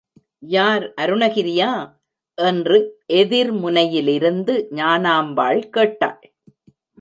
யார் அருணகிரியா? என்று எதிர்முனையிலிருந்து ஞானாம்பாள் கேட்டாள்.